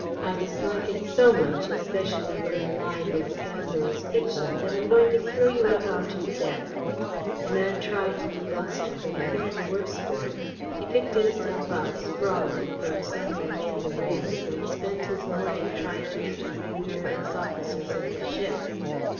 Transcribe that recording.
I dislike it so much, especially when allied with scandalous fiction, that I am going to throw you out on to the deck." The man tried bluster, but he fared the worse for it. He picked himself up, sprawling, from somewhere near the rails, and spent his morning trying to interview various officers of the ship.